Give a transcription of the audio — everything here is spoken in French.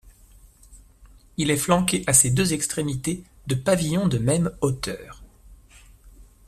Il est flanqué à ses deux extrémités de pavillons de même hauteur.